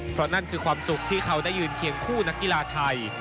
เพราะนั่นคือความสุขที่เขาได้ยืนเคียงคู่นักกีฬาไทย